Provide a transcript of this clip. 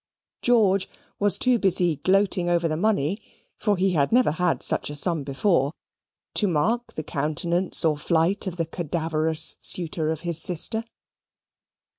George was too busy gloating over the money (for he had never had such a sum before), to mark the countenance or flight of the cadaverous suitor of his sister.